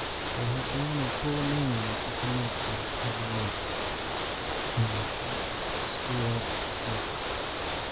There had been a full moon at the commencement of the month, and the heat was still excessive.